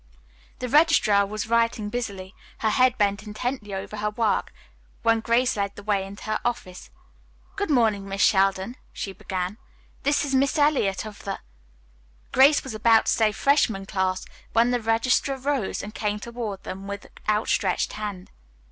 The registrar was writing busily, her head bent intently over her work, when Grace led the way into her office. "Good morning, Miss Sheldon," she began. "This is Miss Eliot of the " Grace was about to say freshman class when the registrar rose and came toward them with outstretched hand.